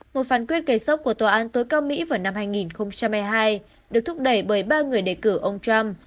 một phán quyết cây sốc của tòa án tối cao mỹ vào năm hai nghìn hai mươi hai được thúc đẩy bởi ba người đề cử ông trump